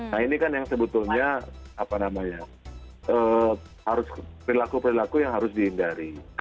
nah ini kan yang sebetulnya apa namanya harus perilaku perilaku yang harus dihindari